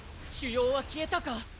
腫瘍は消えたか？